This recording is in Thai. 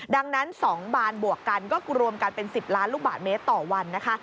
ดังนั้น๒บานบวกกันก็รวมกันเป็น๑๐ล้านลูกบาทเมตรต่อวันนะคะ